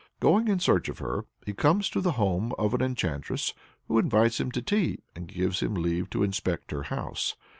Going in search of her, he comes to the home of an enchantress, who invites him to tea and gives him leave to inspect her house.